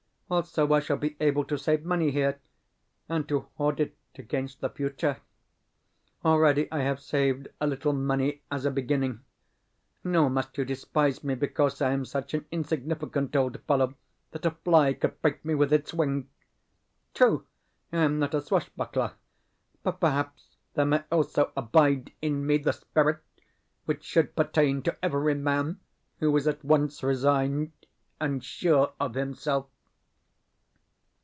Also, I shall be able to save money here, and to hoard it against the future. Already I have saved a little money as a beginning. Nor must you despise me because I am such an insignificant old fellow that a fly could break me with its wing. True, I am not a swashbuckler; but perhaps there may also abide in me the spirit which should pertain to every man who is at once resigned and sure of himself.